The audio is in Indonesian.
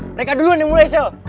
mereka duluan yang mulai shop